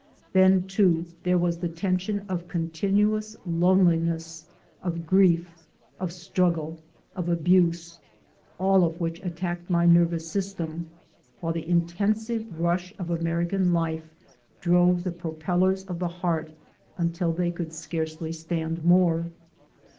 Then, too, there was the tension of continuous loneliness, of grief, of struggle, of abuse, all of which attacked my nervous system, while the in tensive rush of American life drove the propellers of the heart until they could scarcely stand more.